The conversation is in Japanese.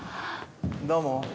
どうも。